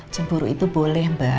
cemburu itu boleh mbak